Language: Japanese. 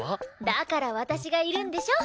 だから私がいるんでしょ！